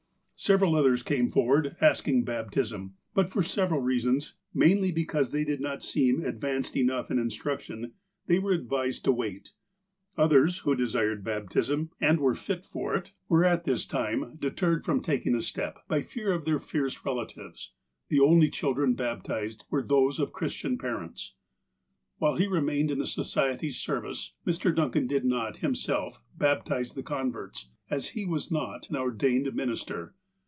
Several others came forward, asking baptism, but, for several reasons, mainly because they did not seem ad vanced enough in instruction, they were advised to wait. Others, who desired baptism, and were fit for it, were, at 150 THE APOSTLE OF ALASKA this time, deterred from taking the step, by fear of their fierce relatives. The only children baptized were those of Christian parents. While he remained in the Society's service Mr. Duncan did not, himself, baptize the converts, as he was not an ordained minister.